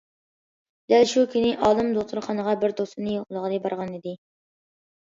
دەل شۇ كۈنى ئالىم دوختۇرخانىغا بىر دوستىنى يوقلىغىلى بارغانىدى.